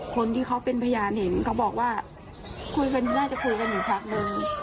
คนที่เขาเป็นพยานเห็นเขาบอกว่าคุยกันน่าจะคุยกันอยู่พักนึง